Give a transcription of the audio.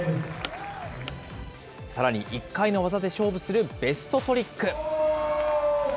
さらに１回の技で勝負するベストトリック。